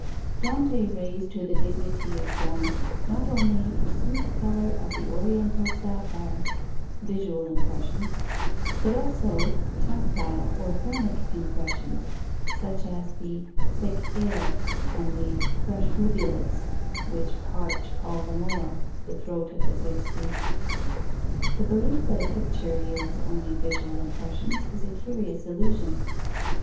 Dante raised to the dignity of form not only the "sweet colour of the oriental sapphire" (visual impression), but also tactile or thermic impressions, such as the "thick air" and the "fresh rivulets" which "parch all the more" the throat of the thirsty. The belief that a picture yields only visual impressions is a curious illusion.